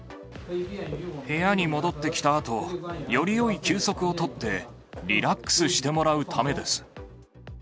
部屋に戻ってきたあと、よりよい休息を取って、リラックスしてもらうためです。